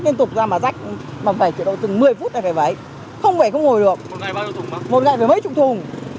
một ngày phải mấy chục thùng